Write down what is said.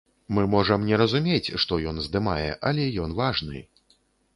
Мы можам не разумець, што ён здымае, але ён важны.